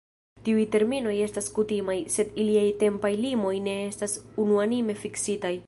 Tiuj terminoj estas kutimaj, sed iliaj tempaj limoj ne estas unuanime fiksitaj.